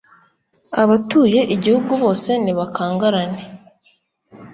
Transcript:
Abatuye igihugu bose nibakangarane,